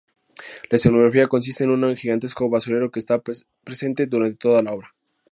La escenografía consiste en un gigantesco basurero que está presente durante toda la obra.